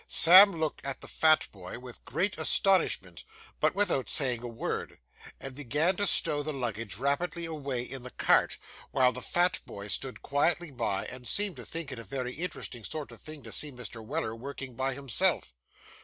Sam looked at the fat boy with great astonishment, but without saying a word; and began to stow the luggage rapidly away in the cart, while the fat boy stood quietly by, and seemed to think it a very interesting sort of thing to see Mr. Weller working by himself.